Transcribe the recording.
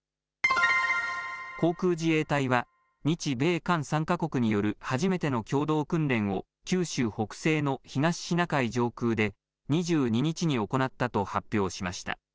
航空自衛隊は、日米韓３か国による初めての共同訓練を九州北西の東シナ海上空で２２日に行ったと発表しました。